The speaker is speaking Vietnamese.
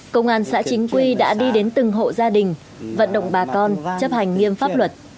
công an xã chính quy đã đi đến từng hộ gia đình vận động bà con chấp hành nghiêm pháp luật